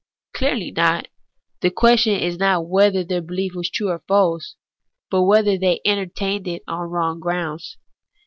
Clearly not ; the question is not whether their behef was true or false, but whether they enter tained it on wrong grounds.